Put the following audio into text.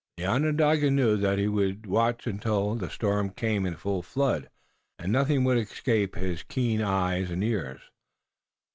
The Onondaga knew that he would watch until the storm came in full flood, and nothing would escape his keen eyes and ears.